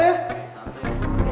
bisa tuh ya